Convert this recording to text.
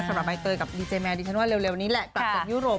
สำหรับไบเตอร์กับดีเจแมร์ดิฉันว่าเร็วนี้แหละกลับส่งยุโรป